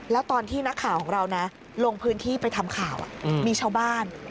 แล้วตอนที่นักข่าวของเรานะลงพื้นที่ไปทำข่าวมีชาวบ้าน